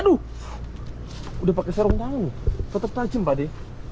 aduh udah pakai serung tangan tetap tajam pak de